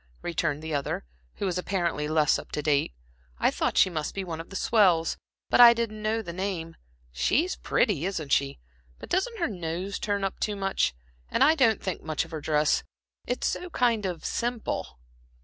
returned the other, who was apparently less up to date. "I thought she must be one of the swells, but I didn't know the name. She's pretty isn't she? but doesn't her nose turn up too much? and I don't think much of her dress, it's so kind of simple."